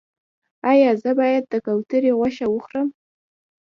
ایا زه باید د کوترې غوښه وخورم؟